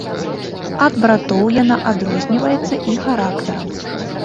Ад братоў яна адрозніваецца і характарам.